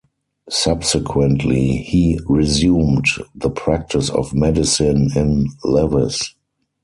Subsequently, he resumed the practice of medicine in Lewes.